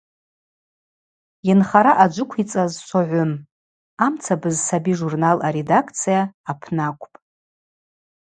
Йынхара ъаджвыквицӏаз Согӏвым, Амцабз саби журнал аредакция апны акӏвпӏ.